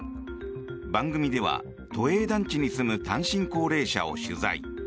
番組では、都営団地に住む単身高齢者を取材。